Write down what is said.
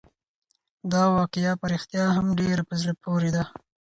دا واقعه په رښتیا هم ډېره په زړه پورې ده.